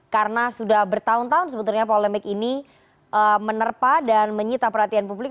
karena sudah bertahun tahun sebetulnya polemik ini menerpa dan menyita perhatian publik